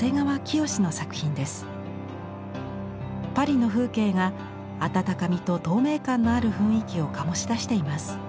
パリの風景が温かみと透明感のある雰囲気を醸し出しています。